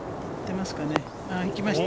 行きました。